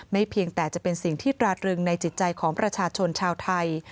เพียงแต่จะเป็นสิ่งที่ตราตรึงในจิตใจของประชาชนชาวไทย